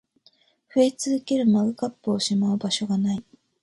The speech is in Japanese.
増え続けるマグカップをしまう場所が無い